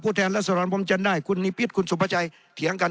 พูดแทนแล้วสรรค์พร้อมจรรย์ได้คุณนิพิศคุณสุภาชัยเถียงกัน